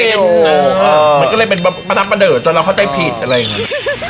มันก็เลยเป็นประนับประเดิดจนเราเข้าใจผิดอะไรอย่างนี้